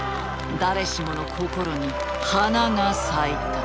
誰しもの心に華が咲いた。